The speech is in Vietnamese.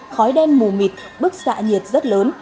khói đen mù mịt bức xạ nhiệt rất lớn